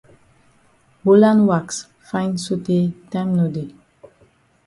Holland wax fine sotay time no dey.